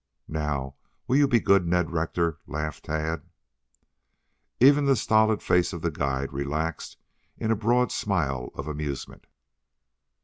"Now, will you be good, Ned Rector?" laughed Tad. Even the stolid face of the guide relaxed in a broad smile of amusement.